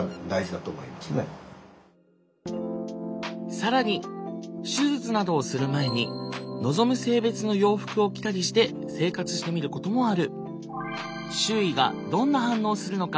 更に手術などをする前に望む性別の洋服を着たりして生活してみることもある。